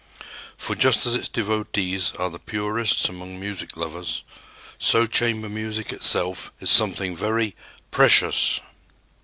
For just as its devotees are the purists among music lovers, so chamber music itself is something very "precious."